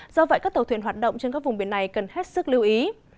do vậy các tàu thuyền hoạt động trên các vùng biển này cần hết sức lưu ý